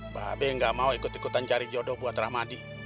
mbak abe nggak mau ikut ikutan cari jodoh buat rahmadi